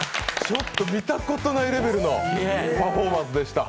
ちょっと見たことないレベルのパフォーマンスでした。